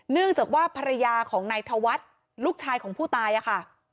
เนื่องจากว่าภรรยาของนายธวัฒน์ลูกชายของผู้ตายค่ะ